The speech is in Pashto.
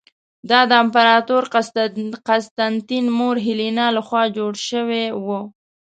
دا د امپراتور قسطنطین مور هیلینا له خوا جوړه شوې وه.